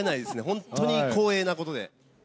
本当に光栄なことで。